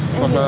em hiểu rồi